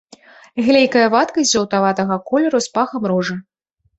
Глейкая вадкасць жаўтаватага колеру з пахам ружы.